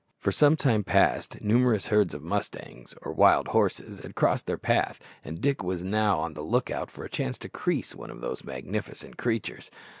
For some time past numerous herds of mustangs, or wild horses, had crossed their path, and Dick was now on the look out for a chance to crease one of those magnificent creatures.